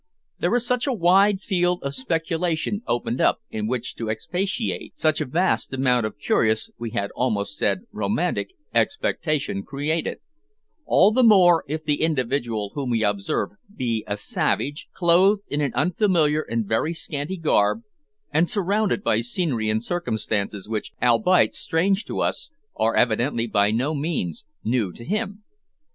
There is such a wide field of speculation opened up in which to expatiate, such a vast amount of curious, we had almost said romantic, expectation created; all the more if the individual whom we observe be a savage, clothed in an unfamiliar and very scanty garb, and surrounded by scenery and circumstances which, albeit strange to us, are evidently by no means new to him.